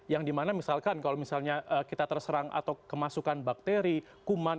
yang dimana misalkan kalau misalnya kita terserang atau kemasukan bakteri kuman